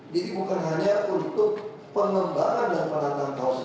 jadi bukan hanya untuk pengembangan dan penanganan kawasan kawasan